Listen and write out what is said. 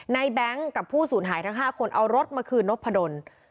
แบงค์กับผู้สูญหายทั้ง๕คนเอารถมาคืนนพดล